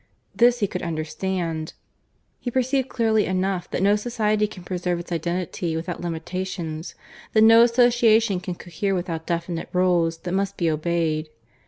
This he could understand. He perceived clearly enough that no society can preserve its identity without limitations; that no association can cohere without definite rules that must be obeyed.